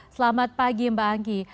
selamat pagi mbak angki